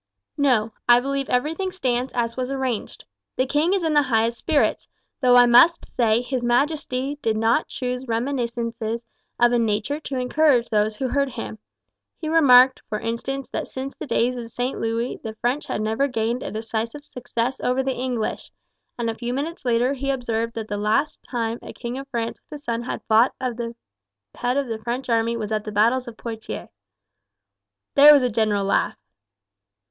"No; I believe everything stands as was arranged. The king is in the highest spirits, though I must say his majesty did not choose reminiscences of a nature to encourage those who heard him. He remarked, for instance, that since the days of St. Louis the French had never gained a decisive success over the English, and a few minutes later he observed that the last time a king of France with his son had fought at the head of the French army was at the battle of Poictiers." There was a general laugh.